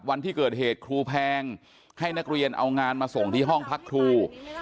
วันที่เกิดเหตุครูแพงให้นักเรียนเอางานมาส่งที่ห้องพักครู